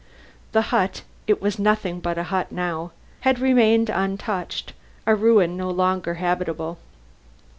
The hut it was nothing but a hut now had remained untouched a ruin no longer habitable.